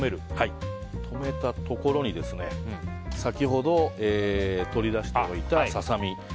止めたところに先ほど取り出しておいたササミ